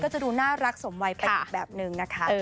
จะดูน่ารักสมวัยไปอีกแบบนึงนะคะ